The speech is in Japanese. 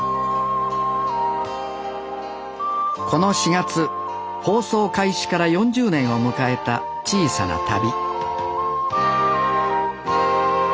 この４月放送開始から４０年を迎えた「小さな旅」